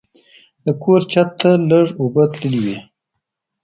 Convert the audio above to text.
د کور چت ته لږ اوبه تللې وې.